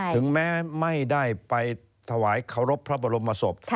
ถึงแม้ไม่ได้ไปถวายเคารพพระบรมศพ